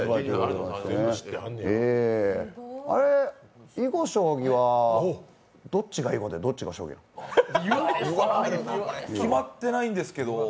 あれ、囲碁将棋はどっちが囲碁でどっちが将棋なの決まってないんですけど。